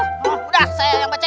kamu yang bacain